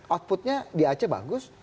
outputnya di aceh bagus